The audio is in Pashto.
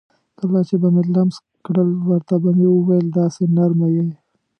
کله چې به مې لمس کړل ورته به مې وویل: داسې نرمه یې.